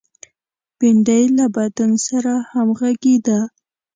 بېنډۍ له بدن سره همغږې ده